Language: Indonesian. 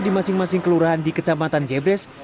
di masing masing kelurahan di kecamatan jebres